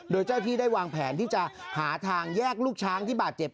โดยเจ้าที่ได้วางแผนที่จะหาทางแยกลูกช้างที่บาดเจ็บ